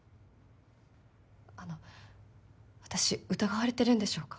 あの私疑われてるんでしょうか？